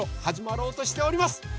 はじまろうとしております！